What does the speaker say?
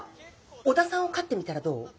小田さんを飼ってみたらどう？